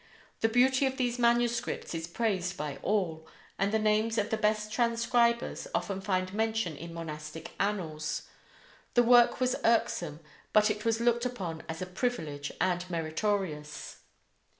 The beauty of these manuscripts is praised by all, and the names of the best transcribers often find mention in monastic annals. The work was irksome, but it was looked upon as a privilege and meritorious.